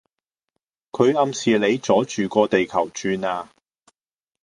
佢暗示你阻住個地球轉呀